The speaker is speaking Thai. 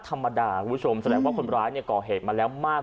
ธรรมดาคุณผู้ชมแสดงว่าคนร้ายเนี่ยก่อเหตุมาแล้วมาก